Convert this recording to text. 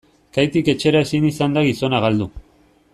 Kaitik etxera ezin izan da gizona galdu.